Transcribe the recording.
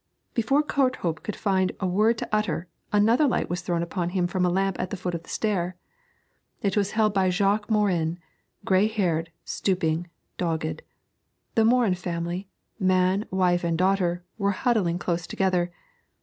Before Courthope could find a word to utter, another light was thrown upon him from a lamp at the foot of the stair. It was held by Jacques Morin, grey haired, stooping, dogged. The Morin family man, wife and daughter were huddling close together.